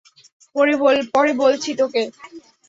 পরে বলছি তোকে।